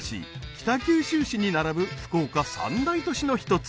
北九州市に並ぶ福岡三大都市の一つ］